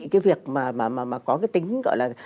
cái việc mà có cái tính gọi là